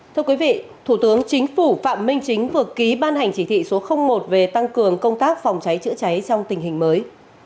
thưa quý vị thủ tướng chính phủ phạm minh chính vừa ký ban hành chỉ thị số một về tăng cường công tác phòng cháy chữa cháy trong tình hình mới